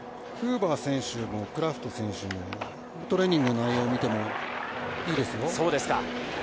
フーバー選手もクラフト選手もトレーニングの内容見てもいいですよ。